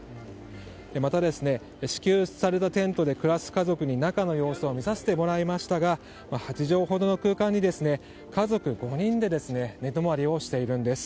また支給されたテントで暮らす家族に中の様子を見させてもらいましたが８畳ほどの空間に家族５人で寝泊まりをしているんです。